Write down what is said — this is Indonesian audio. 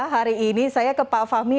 hari ini saya ke pak fahmi